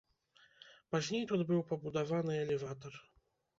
Пазней тут быў пабудаваны элеватар.